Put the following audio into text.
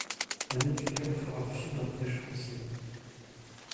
Un étudiant fera fi d'un piège grossier.